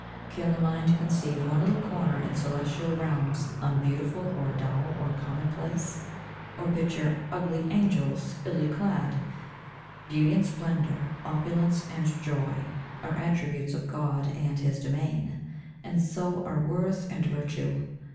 Can the mind conceive One little corner in celestial realms Unbeautiful, or dull or commonplace? Or picture ugly angels, illy clad? Beauty and splendour, opulence and joy, Are attributes of God and His domain, And so are worth and virtue.